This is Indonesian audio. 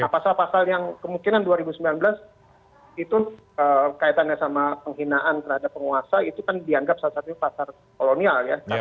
nah pasal pasal yang kemungkinan dua ribu sembilan belas itu kaitannya sama penghinaan terhadap penguasa itu kan dianggap salah satunya pasal kolonial ya